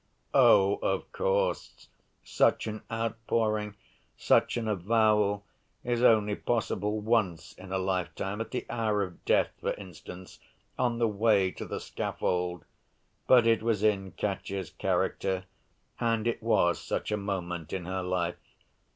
Oh, of course, such an outpouring, such an avowal is only possible once in a lifetime—at the hour of death, for instance, on the way to the scaffold! But it was in Katya's character, and it was such a moment in her life.